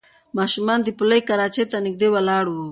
ماشومان د پولیو کراچۍ ته نږدې ولاړ وو.